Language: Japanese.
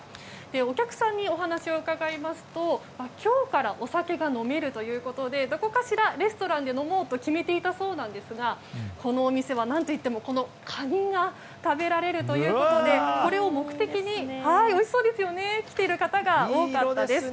お客さんにお話を伺いますと今日からお酒が飲めるということでどこかしらレストランで飲もうと決めていたそうなんですがこのお店は、このカニが食べられるということでこれを目的に来ている方が多かったです。